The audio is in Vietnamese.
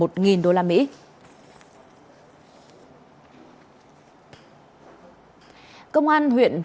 công an huyện phạm thịnh tây nguyên tây nguyên tây nguyên tây nguyên tây nguyên tây nguyên tây nguyên